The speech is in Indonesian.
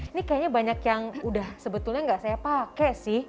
ini kayaknya banyak yang udah sebetulnya nggak saya pakai sih